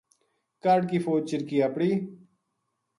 کاہڈ کی فوج چرکی اَپڑی